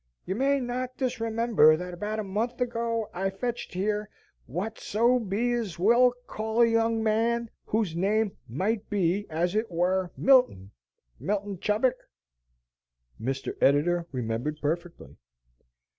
"Ye may not disremember that about a month ago I fetched here what so be as we'll call a young man whose name might be as it were Milton Milton Chubbuck." Mr. Editor remembered perfectly.